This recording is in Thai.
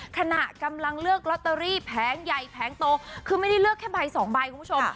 ขณะกำลังเลือกลอตเตอรี่แผงใหญ่แผงโตคือไม่ได้เลือกแค่ใบสองใบคุณผู้ชม